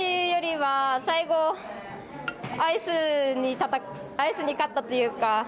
勝ったというよりは最後、アイスに勝ったというか